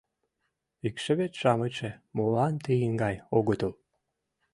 Икшывет-шамычше молан тыйын гай огытыл?